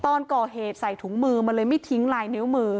ตอนก่อเหตุใส่ถุงมือมันเลยไม่ทิ้งลายนิ้วมือ